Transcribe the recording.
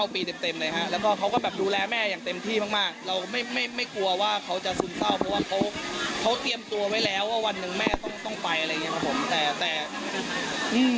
เพราะว่าเขาเตรียมตัวไว้แล้วว่าวันหนึ่งแม่ต้องไปอะไรอย่างนี้ครับผม